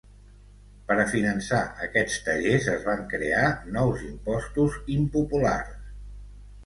Per a finançar aquests tallers es van crear nous impostos impopulars.